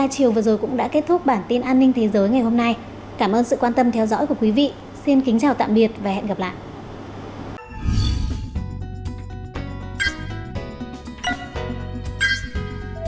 cảm ơn các bạn đã theo dõi và hẹn gặp lại